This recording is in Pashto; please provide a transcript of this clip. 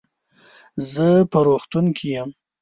زه په روغتون کې يم.